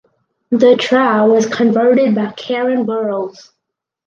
The try was converted by Karen Burrows.